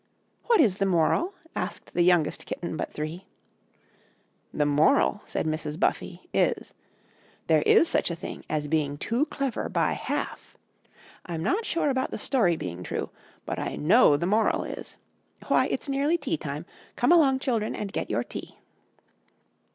"What is the moral?" asked the youngest kitten but three. "The moral," said Mrs. Buffy, "is, 'There is such a thing as being too clever by half.' I'm not sure about the story being true, but I know the moral is. Why, it's nearly tea time. Come along, children, and get your tea."